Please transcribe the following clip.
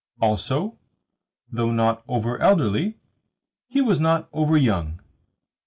Also, though not over elderly, he was not over young.